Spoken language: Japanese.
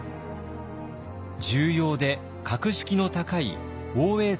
重要で格式の高い応永